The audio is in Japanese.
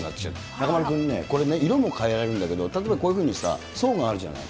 中丸君ね、これ、色も変えられるんだけど、例えばこういうふうにさ、層があるじゃない。